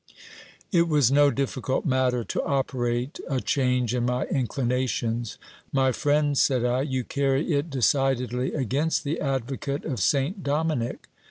It was no difficult matter to operate a change in my inclinations. My friend, said I, you carry it decidedly against the advocate of Saint Dominic.